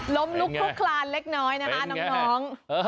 ล้มลุกลุกคลานเล็กน้อยนะคะน้อง